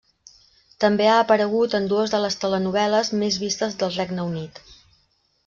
També ha aparegut en dues de les telenovel·les més vistes del Regne Unit.